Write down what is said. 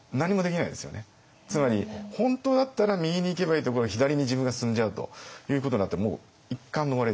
つまり本当だったら右に行けばいいところを左に自分が進んじゃうということになってもう一巻の終わりですから。